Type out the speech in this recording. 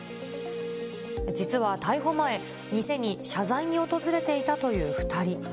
実は逮捕前、店に謝罪に訪れていたという２人。